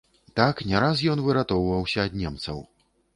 Так не раз ён выратоўваўся ад немцаў.